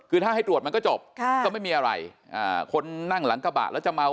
คือถ้าให้ตรวจมันก็จบก็ไม่มีอะไรคนนั่งหลังกระบะแล้วจะเมา